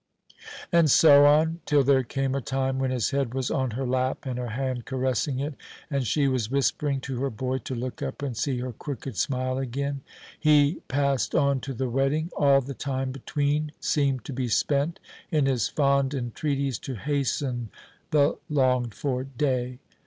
And so on, till there came a time when his head was on her lap and her hand caressing it, and she was whispering to her boy to look up and see her crooked smile again. He passed on to the wedding. All the time between seemed to be spent in his fond entreaties to hasten the longed for day.